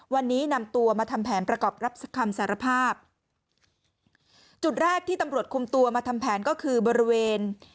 วันนี้นำตัวมาทำแผนประกอบรับคำสารภาพจุดแรกที่ตำรวจคุมตัวมาทำแผนก็คือบริเวณ